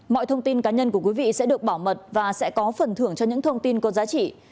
mọi thông tin cá nhân của quý vị sẽ được bảo mật và sẽ có phần thưởng cho những thông tin có giá trị